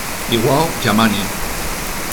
Iwao Yamane